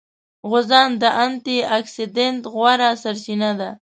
غوزان د انټي اکسیډېنټ غوره سرچینه ده.